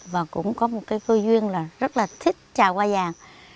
và cũng có một cơ duyên là rất là thích trào hoa vàng